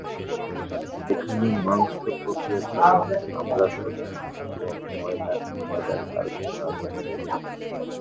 এখানে মাংস প্রক্রিয়াকরণ, চামড়া শোধন, এবং ময়দার কারখানা আছে।